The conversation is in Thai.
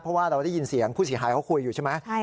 เพราะว่าเราได้ยินเสียงผู้เสียหายเขาคุยอยู่ใช่ไหม